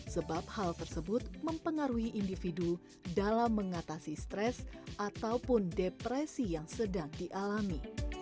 sebab hal tersebut mempengaruhi individu dalam mengatasi stres ataupun depresi yang sedang dialami